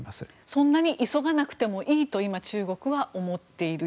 そんなに急がなくてもいいと今、中国は思っている。